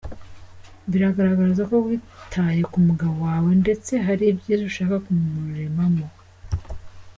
Bigaragazako witaye ku mugabo wawe ndetse hari ibyiza ushaka kumuremamo.